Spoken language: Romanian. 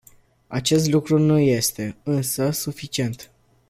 Acest lucru nu este, însă, suficient.